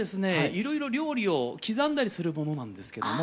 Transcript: いろいろ料理を刻んだりするものなんですけども。